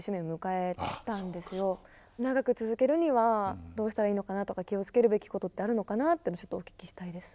長く続けるにはどうしたらいいのかなとか気を付けるべきことってあるのかなっていうのをお聞きしたいです。